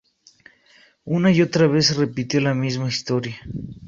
Una y otra vez se repitió la misma historia.